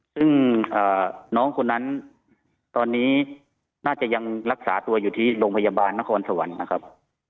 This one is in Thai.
ซึ่งน้องคนนั้นตอนนี้น่าจะยังรักษาตัวอยู่ที่โรงพยาบาลนครสวรรค์นะครับ